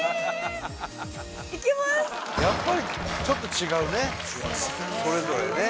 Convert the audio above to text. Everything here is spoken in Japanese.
やっぱりちょっと違うねそれぞれね